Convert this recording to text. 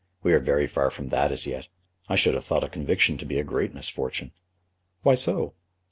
We are very far from that as yet. I should have thought a conviction to be a great misfortune." "Why so?"